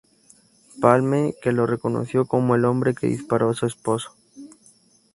Palme, que lo reconoció como el hombre que disparó a su esposo.